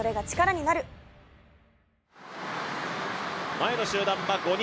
前の集団は５人。